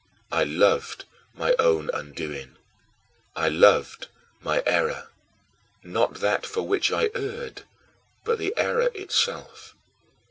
I loved my own undoing. I loved my error not that for which I erred but the error itself.